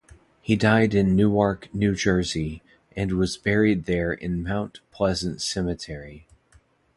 He died in Newark, New Jersey, and was buried there in Mount Pleasant Cemetery.